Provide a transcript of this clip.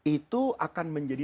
itu akan menjadi